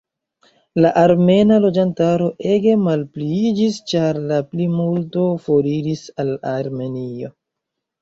La armena loĝantaro ege malpliiĝis ĉar la plimulto foriris al Armenio.